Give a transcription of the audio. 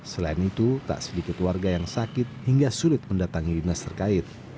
selain itu tak sedikit warga yang sakit hingga sulit mendatangi dinas terkait